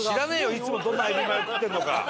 いつもどんな海老マヨ食ってんのか！